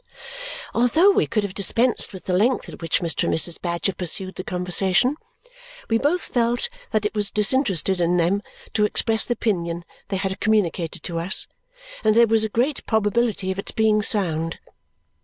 Although we could have dispensed with the length at which Mr. and Mrs. Badger pursued the conversation, we both felt that it was disinterested in them to express the opinion they had communicated to us and that there was a great probability of its being sound.